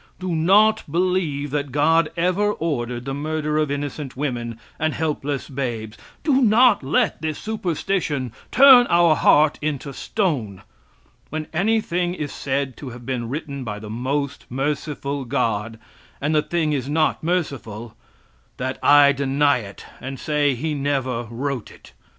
Do not believe that God ever ordered the murder of innocent women and helpless babes. Do not let this superstition turn our heart into stone. When anything is said to have been written by the most merciful God, and the thing is not merciful, that I deny it, and say He never wrote it.